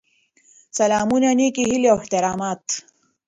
سلامونه نیکې هیلې او احترامات.